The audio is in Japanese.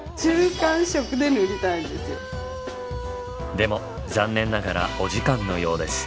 でも残念ながらお時間のようです。